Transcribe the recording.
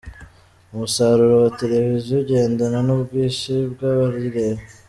Umusaruro wa Televiziyo ugendana n’ubwinshi bw’abayireba.